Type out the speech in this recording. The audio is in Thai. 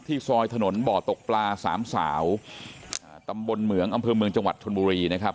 ซอยถนนบ่อตกปลาสามสาวตำบลเหมืองอำเภอเมืองจังหวัดชนบุรีนะครับ